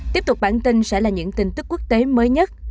tiếp tục bản tin sẽ là những tin tức quốc tế mới nhất